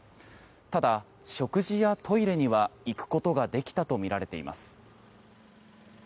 ただ、食事やトイレには行くことができたとみられています。